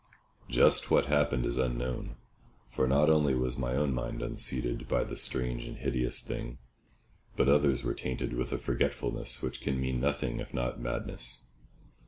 Just what happened is unknown, for not only was my own mind unseated by the strange and hideous thing, but others were tainted with a forgetfulness which can mean nothing if not madness.